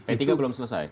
p tiga belum selesai